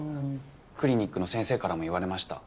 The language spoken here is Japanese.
クリニックの先生からも言われました。